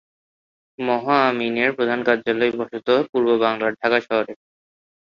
মহা আমিনের প্রধান কার্যালয় বসত পূর্ব বাংলার ঢাকা শহরে।